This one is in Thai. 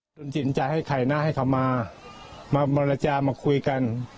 ดนตรีจริงจะให้ไข่น่าให้เขามามาบรรจามาคุยกัน